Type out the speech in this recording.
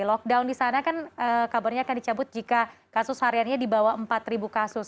lockdown di sana kan kabarnya akan dicabut jika kasus hariannya di bawah empat kasus